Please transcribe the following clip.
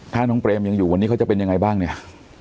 ถ้าน้องเปรมยังอยู่วันนี้เขาจะเป็นยังไงบ้างเนี่ย